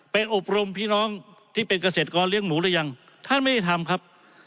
อบรมพี่น้องที่เป็นเกษตรกรเลี้ยงหมูหรือยังท่านไม่ได้ทำครับ